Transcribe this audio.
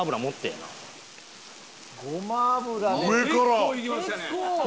結構いきましたね。